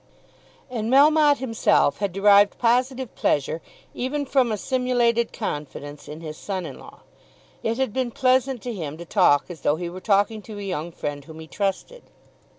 And Melmotte himself had derived positive pleasure even from a simulated confidence in his son in law. It had been pleasant to him to talk as though he were talking to a young friend whom he trusted.